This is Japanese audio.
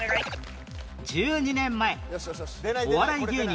１２年前お笑い芸人